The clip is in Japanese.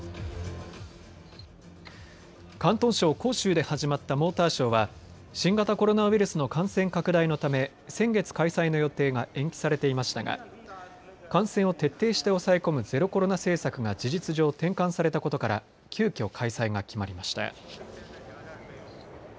広東省広州で始まったモーターショーは新型コロナウイルスの感染拡大のため先月開催の予定が延期されていましたが感染を徹底して抑え込むゼロコロナ政策が事実上、転換されたことから急きょ開催が決まりました。